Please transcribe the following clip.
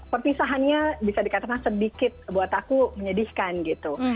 perpisahannya bisa dikatakan sedikit buat aku menyedihkan gitu